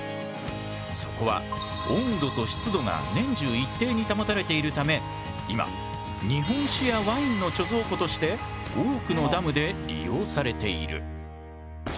そこは温度と湿度が年中一定に保たれているため今日本酒やワインの貯蔵庫として多くのダムで利用されている。